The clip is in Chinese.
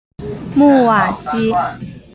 穆瓦西。